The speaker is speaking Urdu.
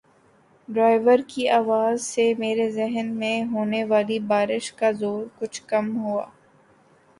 ڈرائیور کی آواز سے میرے ذہن میں ہونے والی بار ش کا زور کچھ کم ہوا